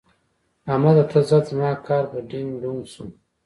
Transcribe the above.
احمده! ته ځه؛ زما کار په ډينګ ډينګو شو.